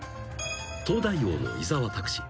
［『東大王』の伊沢拓司］